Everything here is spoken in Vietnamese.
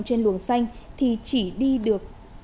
trên luồng xanh thì chỉ đi được